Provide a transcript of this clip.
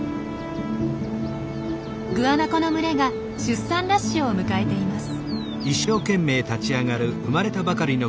グアナコの群れが出産ラッシュを迎えています。